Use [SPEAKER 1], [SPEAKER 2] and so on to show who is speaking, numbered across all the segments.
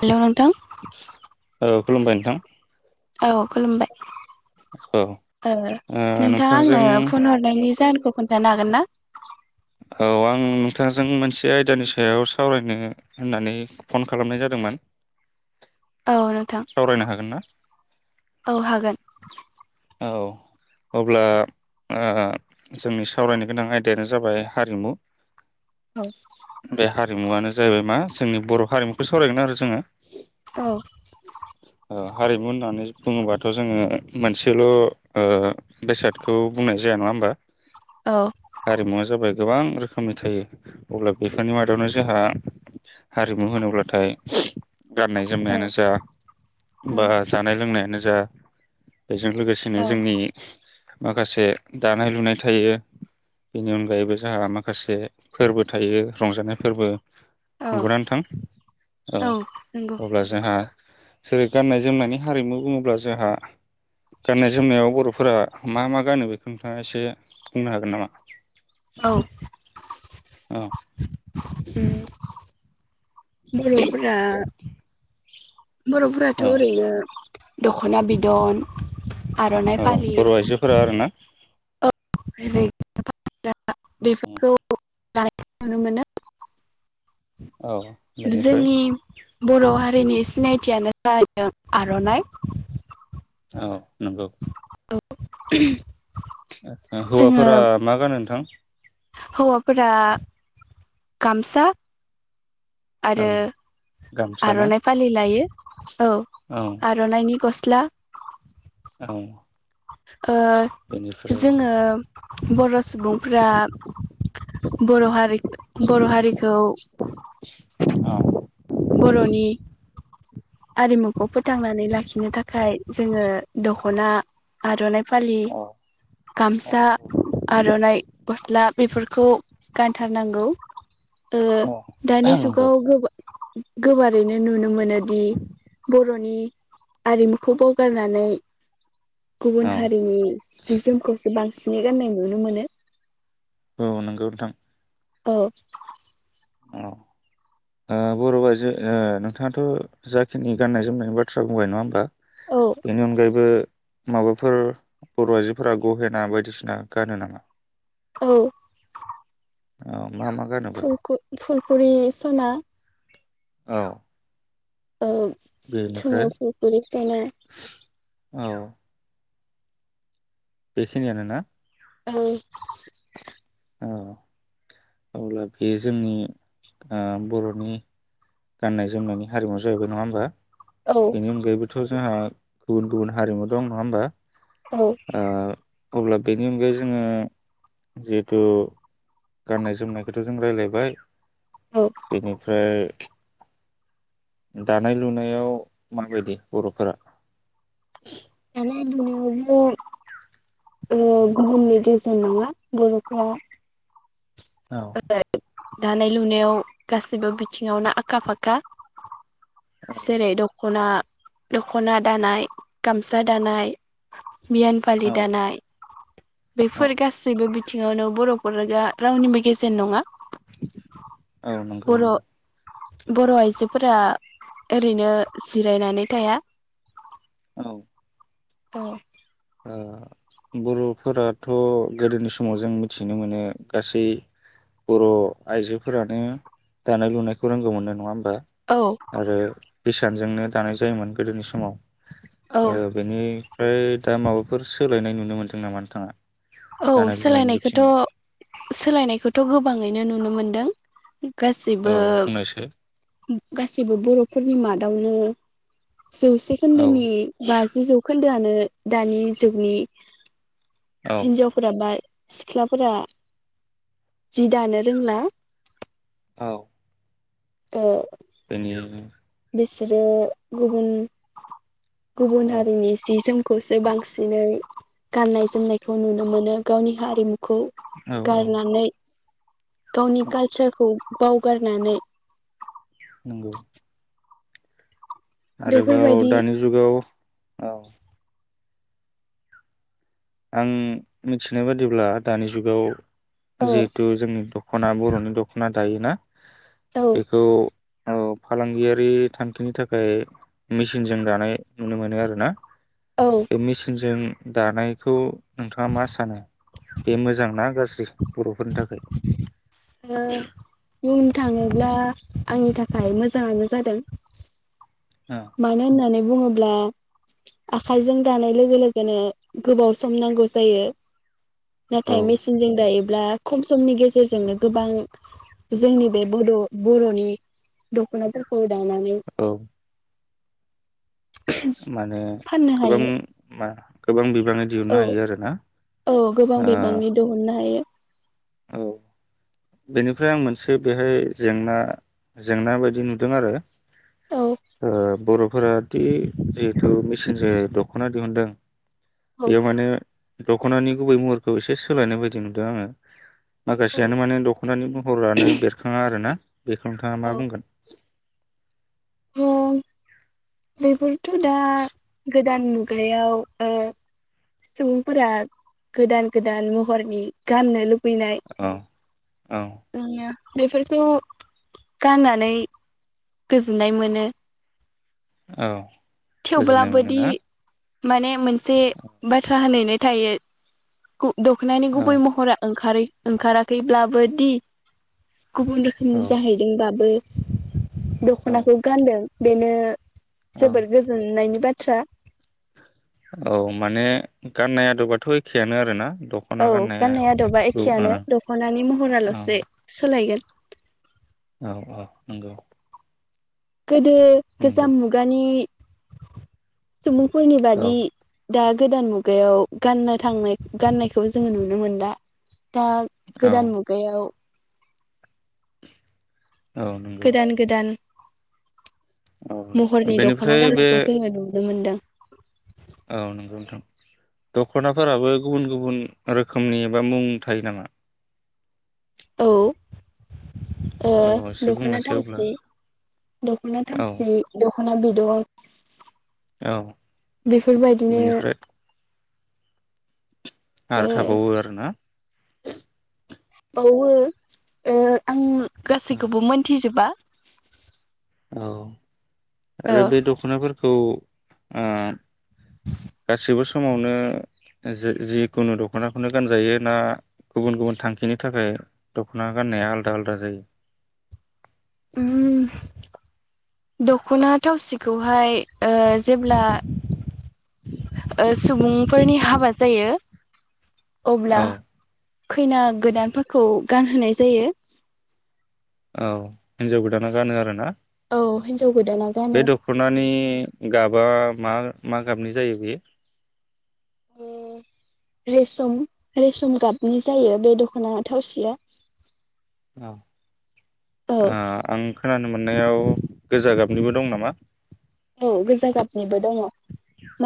[SPEAKER 1] हेल' नोंथां।
[SPEAKER 2] औ खुलुमबाय नोंथां।
[SPEAKER 1] औ खुलुमबाय। ओ नोंथाङा आंनो
[SPEAKER 2] नोंथांजों
[SPEAKER 1] फन हरनायनि जाहोनखौ खोन्थानो हागोन ना?
[SPEAKER 2] औ आं नोंथांजों मोनसे आयदानि सायाव सावरायनो होननानै फन खालामनाय जादोंमोन।
[SPEAKER 1] औ नोंथां
[SPEAKER 2] सावरायनो हागोन ना
[SPEAKER 1] औ हागोन
[SPEAKER 2] औ अब्ला ओ जोंनि सावरायनो गोनां आयदायानो जाबाय हारिमु बे हारिमुआनो जाहैबाय मा जोंनि बर' हारिमुखौ सावरायगोन आरो जोङो
[SPEAKER 1] औ औ
[SPEAKER 2] ओ हारिमु होननानै बुङोबाथ' जोङो मोनसेल' बेसादखौ ओ बुंनाय जाया नङा होमबा। हारिमुवा जाबाय गोबां रोखोमनि थायो अब्ला बेफोरनि मादावनो जोंहा हारिमु होनोब्लाथाय गाननाय
[SPEAKER 1] औ
[SPEAKER 2] जोमनायानो दा बा जानाय लोंनायानो जा बेजों लोगोसेनो
[SPEAKER 1] औ
[SPEAKER 2] जोंनि माखासे दानाय लुनाय थायो बेनि अनगायैबो जोंहा माखासे फोरबो थायो रंजानाय फोरबो नंगौ ना
[SPEAKER 1] औ
[SPEAKER 2] नोंथां औ अब्ला जोंहा जेरै गाननाय जोमनायनि हारिमु बुङोब्ला जोंहा गाननाय जोमनायाव बर'फोरा मा मा गानो बेखौ नोंथाङा एसे बुंनो हागोन नामा
[SPEAKER 1] औ
[SPEAKER 2] औ
[SPEAKER 1] उम बर'फोरा बर'फोराथ'
[SPEAKER 2] औ
[SPEAKER 1] ओरैनो दख'ना बिदन आर'नाइ
[SPEAKER 2] औ
[SPEAKER 1] फालि
[SPEAKER 2] बर' आइजोफोरा आरो ना
[SPEAKER 1] [unintelligible]
[SPEAKER 2] औ
[SPEAKER 1] बेफोरखौ [unintelligible] नुनो मोनो
[SPEAKER 2] औ बेनिफ्राय
[SPEAKER 1] जोंनि बर' हारि हारिनि सिनायथियानो जादों आर'नाइ
[SPEAKER 2] औ नंगौ
[SPEAKER 1] औ
[SPEAKER 2] हौवाफोरा मा गानो नोंथां
[SPEAKER 1] हौवाफोरा गामसा
[SPEAKER 2] औ
[SPEAKER 1] आरो
[SPEAKER 2] गामसा ना
[SPEAKER 1] आर'नाइ फालि लायो औ
[SPEAKER 2] औ
[SPEAKER 1] आर'नाइनि गस [unintelligible]
[SPEAKER 2] औ
[SPEAKER 1] [inaudible] ओ
[SPEAKER 2] बेनिफ्राय
[SPEAKER 1] जोङो बर' सुबुंफोरा बर' हारि बर' हारिखौ
[SPEAKER 2] औ
[SPEAKER 1] बर'नि आरिमुखौ फोथांनानै लाखिनो थाखाय जोङो दख'ना आर'नाइ फालि
[SPEAKER 2] औ अ
[SPEAKER 1] गामसा आर'नाइ गस्ला बेफोरखौ गानथारनांगौ दानि
[SPEAKER 2] नंगौ
[SPEAKER 1] जुगाव गोबां गोबारैनो नुनो मोनोदि बर'नि आरिमुखौ बावगारनानै गुबुन
[SPEAKER 2] औ
[SPEAKER 1] हारिनि जि जोमखौसो बांसिन नि गाननाय नुनो मोनो
[SPEAKER 2] औ नोंगौ नोंथां
[SPEAKER 1] औ
[SPEAKER 2] अ बर' आयजो ओ नोंथाङाथ' जाखिनि गान्नाय जोमनायनि बाथ्रा बुंबाय नङा होमबा?
[SPEAKER 1] औ
[SPEAKER 2] बेनि अनगायैबो माबाफोर बर' आइजोफोरा गहेना बायदिसिना गानो नामा?
[SPEAKER 1] औ
[SPEAKER 2] औ मा मा गानोबा
[SPEAKER 1] फुलखु फुलखुरि सना।
[SPEAKER 2] औ
[SPEAKER 1] ओ
[SPEAKER 2] बेनिफ्राय
[SPEAKER 1] खोमायाव फुलखुरि सना।
[SPEAKER 2] औ बेखिनियानोना?
[SPEAKER 1] औ
[SPEAKER 2] औ अब्ला बे जोंनि ओ बर'नि गाननाय जोमनायनि हारिमु जाहैबाय नङा होमबा?
[SPEAKER 1] औ
[SPEAKER 2] बेनि अनगायैबो थ' जोंहा गुबुन गुबुन हारिमु दं नङा होमबा?
[SPEAKER 1] औ
[SPEAKER 2] ओ अब्ला बेनि अनगायै जोङो जि थु गाननाय जोमनायखौथ' जों रायलायबाय।
[SPEAKER 1] औ
[SPEAKER 2] बेनिफ्राय दानाय लुनायाव माबायदि बर'फोरा?
[SPEAKER 1] दानाय लुनायावबो ओ गुबुननि गेजेन नङा बर'फ्रा।
[SPEAKER 2] औ
[SPEAKER 1] दानाय लुनायाव गासैबो बिथिङावनो आखा फाखा। जरै दख'ना दख'ना दानाय गामसा दानाय। बियान फालि
[SPEAKER 2] औ
[SPEAKER 1] दानाय बेफोर गासैबो थिङावनो बर'फोरा दा रावनिबो गेजेन नङा।
[SPEAKER 2] औ नंगौ
[SPEAKER 1] बर'
[SPEAKER 2] नंगौ।
[SPEAKER 1] बर' आइजोफोरा ओरैनो जिरायनानै थाया।
[SPEAKER 2] औ
[SPEAKER 1] औ
[SPEAKER 2] ओ बर'फोराथ' गोदोनि समाव जों मिथिनो मोनो गासै बर' आइजोफोरानो दानाय लुनायखौ रोंगौ मोननो नङा होम बा आरो हिसानजोंनो दानाय जायोमोन गोदोनि समाव।
[SPEAKER 1] औ
[SPEAKER 2] ओ बेनि फ्राय दा माबाफोर सोलायनाय नुनो मोनदों नामा नोंथाङा?
[SPEAKER 1] औ
[SPEAKER 2] दानाय लुनायनि
[SPEAKER 1] सोलायनायखौथ'
[SPEAKER 2] बिथिङाव
[SPEAKER 1] सोलायनायखौथ' गो गोबाङैनो नुनो मोन्दों। गासिबो
[SPEAKER 2] औ बुंनायसै
[SPEAKER 1] गासैबो बर'फोरनि मादावनो जौसे खोन्दोनि
[SPEAKER 2] औ
[SPEAKER 1] बाजि जौखोन्दो खोन्दोआनो दानि जुगनि
[SPEAKER 2] औ
[SPEAKER 1] हिन्जावफोराबा सिख्लाफोरा जि दानो रोंला।
[SPEAKER 2] औ
[SPEAKER 1] ओ
[SPEAKER 2] [unintelligible]
[SPEAKER 1] बिसोरो गुबुन गुबुन
[SPEAKER 2] औ
[SPEAKER 1] हारिनि सि जोम खौसो बांसिनै गाननाय जोमनायखौ नुनो मोनो गावनि हारिमु खौ
[SPEAKER 2] औ
[SPEAKER 1] गारनानै गावनि
[SPEAKER 2] औ
[SPEAKER 1] कालचार खौ बावगारनानै
[SPEAKER 2] नंगौ। आरोबाव
[SPEAKER 1] बेफोरबायदि
[SPEAKER 2] दानि जुगाव औ आं मिथिनाय बादिब्ला दानि जुगाव
[SPEAKER 1] औ
[SPEAKER 2] जिहेथु जोंनि दख'ना बर'नि दख'ना जायोना?
[SPEAKER 1] औ
[SPEAKER 2] बेखौ फालांगियारि थांखिनि थाखाय मेसिनजों दानाय नुनो मोनो आरो ना?
[SPEAKER 1] औ ओ
[SPEAKER 2] बे मेसिनजों दानाय बखौ नोंथाङा मा सानो? बे मोजांना गाज्रि बर'फोरनि थाखाय?
[SPEAKER 1] ह बुं [unintelligible] थाङोब्ला आंनि थाखाय मोजाङानो जादों। मानो होन्नानै बुङोब्ला आखायजों दानाय लोगो लोगोनो गोबाव सम नांगौ जायो।
[SPEAKER 2] औ
[SPEAKER 1] नाथाय मेचनजों दायो खम समनि गेजेरजोंनो गोबां जोंनि बे' बर'नि दख'नाफोरखौ दानानै
[SPEAKER 2] औ माने
[SPEAKER 1] फाननो
[SPEAKER 2] गोबां
[SPEAKER 1] हायो
[SPEAKER 2] मा-' गोबां बिबाङै
[SPEAKER 1] औ
[SPEAKER 2] दिहुननो हायो आरो ना?
[SPEAKER 1] औ गोबां बिबांनि दहननो हायो।
[SPEAKER 2] औ बेनिफ्राय आं मोनसे बेहाय जेंना जेंना बायदि नुदों आरो
[SPEAKER 1] औ
[SPEAKER 2] ओ बर' फोरादि जिहेथु मेसिनजों दख'ना दिहुनदों
[SPEAKER 1] औ
[SPEAKER 2] बेयाव माने दख'नानि गुबै महरखौ एसे सोलायनाय बायदि नुदों आङो
[SPEAKER 1] औ
[SPEAKER 2] माखासेयानो माने दख'नि महरानो बेरखाङा आरो ना? बेखौ नोंथाङा मा बुंगोन?
[SPEAKER 1] बेफोर थ' दा गोदो गोदान मुगायाव सुबुंफोरा गोदान गोदान महरनि गाननो लुबैयो।
[SPEAKER 2] औ औ
[SPEAKER 1] फैनाय बेफोरखौ गाननानै गोजोननाय मोनो।
[SPEAKER 2] औ। गोजोननाय
[SPEAKER 1] थेवब्लाबोदि
[SPEAKER 2] मोनोना?
[SPEAKER 1] माने मोन से
[SPEAKER 2] औ
[SPEAKER 1] बाथ्रा होनायनाय थायो दख'नानि गुबै महरा ओंखारै ओंखाराखैब्लाबो दि गुबुन
[SPEAKER 2] औ
[SPEAKER 1] रोखोमनि जाहैदोंबाबो
[SPEAKER 2] औ
[SPEAKER 1] दख'नाखौ गानदों बेनो
[SPEAKER 2] औ
[SPEAKER 1] मोननायनि बाथ्रा
[SPEAKER 2] औ माने गाननाय आदोबाथ' एखेआनो आरो ना
[SPEAKER 1] औ गाननाय आदबा एखेयानो दख'नानि महराल'सो सोलायगोन
[SPEAKER 2] औ औ नंगौ
[SPEAKER 1] गोदो
[SPEAKER 2] नंगौ
[SPEAKER 1] गोजाम मुगानि [inaudible] सुबुंफोरनि
[SPEAKER 2] औ
[SPEAKER 1] बादि दा गोदान मुगायाव गाननो थांनाय गाननायखौ जोङो नुनो मोनला। दा
[SPEAKER 2] औ
[SPEAKER 1] गोदान मुगायाव
[SPEAKER 2] औ नंगौ
[SPEAKER 1] गोदान गोदान
[SPEAKER 2] औ
[SPEAKER 1] महरनि दख'ना
[SPEAKER 2] बेनिफ्राय बे
[SPEAKER 1] गाननायखौ जोङो नुनो मोनदों।
[SPEAKER 2] औ नंगौ नोंथां। दख'नाफोराबो गुबुन गुबुन रोखोमनि एबा मुं थायो नामा?
[SPEAKER 1] औ ओ
[SPEAKER 2] औ एसे
[SPEAKER 1] दख'ना
[SPEAKER 2] बुंनायसै अब्ला
[SPEAKER 1] थावसि, दख'ना
[SPEAKER 2] औ
[SPEAKER 1] थावसि, दख'ना बिद
[SPEAKER 2] औ
[SPEAKER 1] [unintelligible] बेफोरबायदिनो
[SPEAKER 2] बेनिफ्राय
[SPEAKER 1] ओ
[SPEAKER 2] आरो थाबावो आरो ना।
[SPEAKER 1] बाउवो ओ आं गासैखौबो
[SPEAKER 2] औ
[SPEAKER 1] मोनथिजोबा।
[SPEAKER 2] औ
[SPEAKER 1] ओ
[SPEAKER 2] आरो बे दख'नाफोर खौ ओ गासिबो समावनो जे जिखुनु दख'नाखौनो गानजायो ना गुबुन गुबुन थांखिनि थाखाय दख'ना गाननाया आलदा आलदा जायो?
[SPEAKER 1] उम दख'ना थावसिखौहाय ओ जेब्ला ओ सुबुंफोरनि हाबा जायो अब्ला
[SPEAKER 2] औ
[SPEAKER 1] खैना गोदानफोरखौ गानहोनाय जायो।
[SPEAKER 2] औ हिन्जाव गोदाना गानो आरो ना।
[SPEAKER 1] औ हिन्जाव गोदाना गानो
[SPEAKER 2] बे दख'नानि गाब बा मा मा गाबनि जायो बे?
[SPEAKER 1] रेसम रेसम गाबनि जायो बे दख'ना थावसिया।
[SPEAKER 2] अ
[SPEAKER 1] औ
[SPEAKER 2] ओ आं खोनानो मोननायाव गोजा गाबनिबो दं नामा?
[SPEAKER 1] औ गोजा गाबनिबो दङ'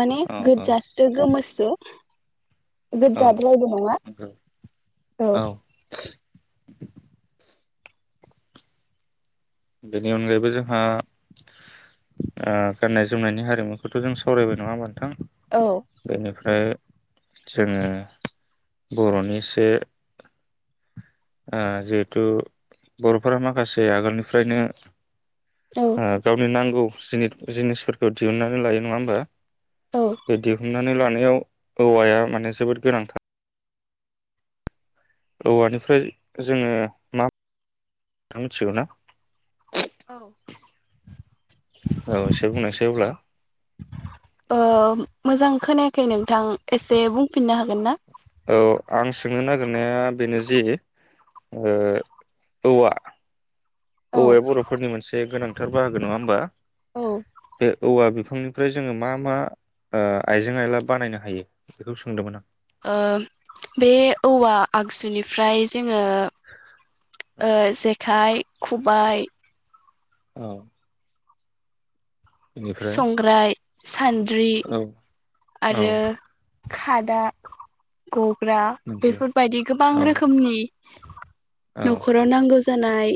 [SPEAKER 1] माने
[SPEAKER 2] औ औ
[SPEAKER 1] गोजास्रो गोमोस्रो।
[SPEAKER 2] औ
[SPEAKER 1] गोजाद्रायबो नङा
[SPEAKER 2] नंगौ
[SPEAKER 1] औ।
[SPEAKER 2] [inaudible] बेनि अनगायैबो जोंहा ओ गाननाय जोमनायनि हारिमुखौथ' जों सावरायबाय नङा होनबा
[SPEAKER 1] औ
[SPEAKER 2] नोंथां? बेनिफ्राय जोङो बर'निसो ओ जिहेथु बर'फोरा माखासे आगोलनिफ्रायनो
[SPEAKER 1] औ
[SPEAKER 2] गावनि नांगौ जिनिथ जिनिसफोरखौ दिहुननानै लायो नङा होमबा?
[SPEAKER 1] औ
[SPEAKER 2] [unintelligible] नानै लानायाव औवाया माने जोबोद गोनांथार। औवानिफ्राय जोङो मा मिथिगौ ना?
[SPEAKER 1] औ
[SPEAKER 2] औ एसे बुंनायसाइ अब्ला।
[SPEAKER 1] ओ मोजां खोनायाखै नोंथां एसे बुंफिननो हागोन ना?
[SPEAKER 2] औ आं सोंनो नागिरनाया बेनो जि ओ औवा।
[SPEAKER 1] औ
[SPEAKER 2] औवाया बर'फोरनि मोनसे गोनां। थार बाहागो नङा होमबा?
[SPEAKER 1] औ
[SPEAKER 2] बे औवा बि बिफांनिफ्राय जोङो मा मा ओ आइजें आइला बानायनो हायो बेखौ सोंदोंमोन आं?
[SPEAKER 1] ओ बे औवा आगजुनिफ्राय जोङो ओ
[SPEAKER 2] आं
[SPEAKER 1] जेखाइ खबाय
[SPEAKER 2] औ। बेनिफ्राय
[SPEAKER 1] संग्राय सान्द्रि
[SPEAKER 2] औ औ
[SPEAKER 1] आरो खादा गग्रा
[SPEAKER 2] नंगौ
[SPEAKER 1] बेफोरबायदि गोबां
[SPEAKER 2] औ
[SPEAKER 1] रोखोमनि
[SPEAKER 2] औ
[SPEAKER 1] न'खराव नांगौ जानाय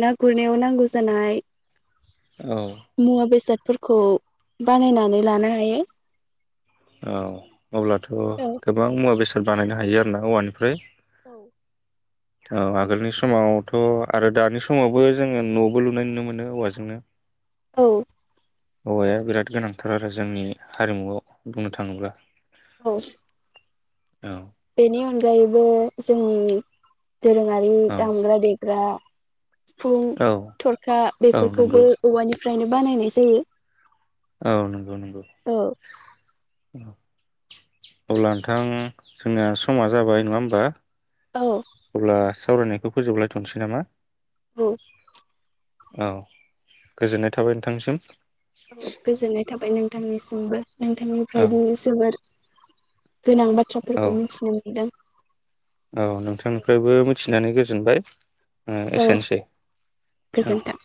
[SPEAKER 1] ना गुरनायाव नांगौ जानाय
[SPEAKER 2] औ
[SPEAKER 1] युवा बेसाद फोरखौ बानायनानै लानो हायो।
[SPEAKER 2] औ अब्लाथ' गोबां मुवा बेसाद बानायनो हायो आरो ना औवानिफ्राय।
[SPEAKER 1] [inaudible]
[SPEAKER 2] औ आगोलनि समावथ' आरो दानि समावबो जोङो न'बो लुनाय नुनो मोनो औवाजोंनो।
[SPEAKER 1] औ।
[SPEAKER 2] औवाया बिराद गोनांथार आरो जोंनि हारिमुआव बुंनो थाङोब्ला।
[SPEAKER 1] औ।
[SPEAKER 2] औ।
[SPEAKER 1] बेनि अनगायैबो जोंनि डोरोंयारि
[SPEAKER 2] औ
[SPEAKER 1] दामग्रा देग्रा सिफुं
[SPEAKER 2] औ
[SPEAKER 1] थरखा
[SPEAKER 2] औ नंगौ
[SPEAKER 1] बेफोरखौबो औवानि फायनो बानायनाय जायो।
[SPEAKER 2] औ नोंगौ नोंगौ
[SPEAKER 1] औ
[SPEAKER 2] औ। अब्ला नोंथां जोंनिया समा जाबाय नंङा होनबा?
[SPEAKER 1] औ
[SPEAKER 2] अब्ला स सावरायनायखौ फोजोबलायथनोसै नामा?
[SPEAKER 1] औ।
[SPEAKER 2] औ गोजोननाय थाबाय नोंथांसिम
[SPEAKER 1] औ गोजोननाय थाबाय नोंथांनिसिमबो
[SPEAKER 2] औ
[SPEAKER 1] नोंथांनिफ्रायदि जोबोर गोनां
[SPEAKER 2] औ
[SPEAKER 1] बाथ्राफोरखौ मिथिनो मोनदों।
[SPEAKER 2] औ नोंथांनिफ्रायबो। थिनानै गोजोनबाय। ओ
[SPEAKER 1] औ
[SPEAKER 2] एसेनोसै औ
[SPEAKER 1] गोजोन्थों।